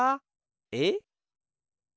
えっ？